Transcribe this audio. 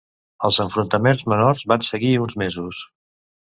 Els enfrontaments menors van seguir uns mesos.